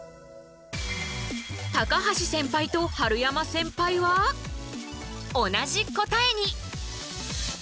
高橋センパイと春山センパイは同じ答えに！